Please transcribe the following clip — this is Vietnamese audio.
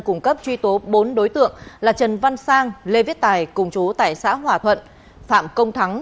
cung cấp truy tố bốn đối tượng là trần văn sang lê viết tài cùng chú tại xã hòa thuận phạm công thắng